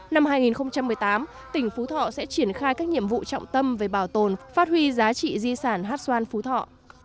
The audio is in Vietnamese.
năm hai nghìn một mươi tám tỉnh phú thọ sẽ triển khai các nhiệm vụ trọng tâm về bảo tồn phát huy giá trị di sản hát xoan phú thọ